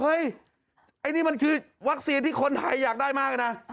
ไอ้นี่มันคือวัคซีนที่คนไทยอยากได้มากนะ